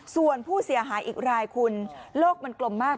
ส่วนผู้เสียหายอีกรายคุณโลกมันกลมมาก